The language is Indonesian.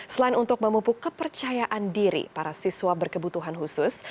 selain untuk memupuk kepercayaan diri para siswa berkebutuhan khusus